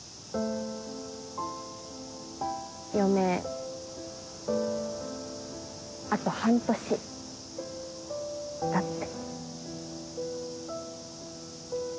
余命あと半年だって。